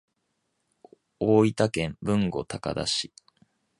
大分県豊後高田市